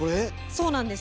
そうなんです。